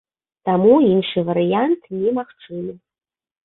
Таму, іншы варыянт немагчымы.